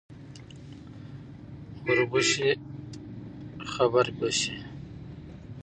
ـ وربشې خبر بشې.